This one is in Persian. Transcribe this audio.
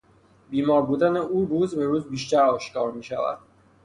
بیمار بودن او روز به روز بیشتر آشکار میشود.